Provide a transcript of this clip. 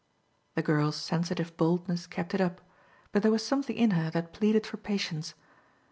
The girl's sensitive boldness kept it up, but there was something in her that pleaded for patience.